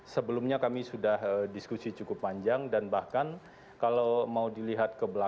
sebelumnya kami sudah diskusi cukup panjang dan bahkan kalau mau dilihat ke belakang